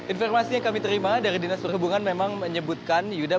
informasi yang kami terima dari dinas perhubungan memang menyebutkan yuda